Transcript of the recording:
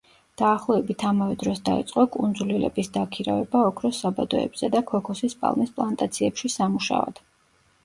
დაახლოებით ამავე დროს დაიწყო კუნძულელების დაქირავება ოქროს საბადოებზე და ქოქოსის პალმის პლანტაციებში სამუშაოდ.